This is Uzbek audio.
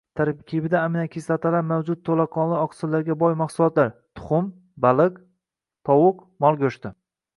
Tarkibida aminokislotalar mavjud to‘laqonli oqsillarga boy mahsulotlar: tuxum, baliq, tovuq, mol go‘shti.